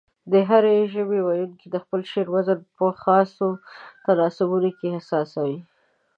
د هرې ژبې ويونکي د خپل شعر وزن په خاصو تناسباتو کې احساسوي.